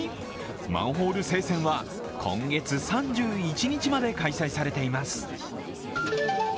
マンホール聖戦は今月３１日まで開催されています。